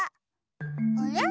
あれ？